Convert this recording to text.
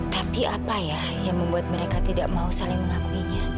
tapi apa ya yang membuat mereka tidak mau saling mengakuinya